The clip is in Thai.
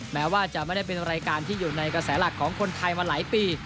แม้ว่าจะไม่ได้เป็นรายการที่อยู่ในกระแสหลักของคนไทยมาหลายปี